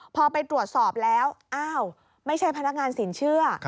พอไปตรวจสอบแล้วอ้าวไม่ใช่พนักงานสินเชื่อ